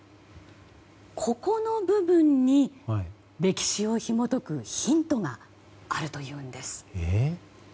ここの部分に歴史をひも解くヒントがあるというんです。